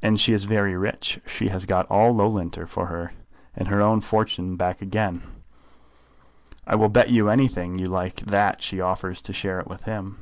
"And she is very rich. She has got all Loughlinter for her life, and her own fortune back again. I will bet you anything you like that she offers to share it with him."